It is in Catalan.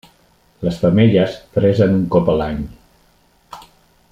Les femelles fresen un cop a l'any.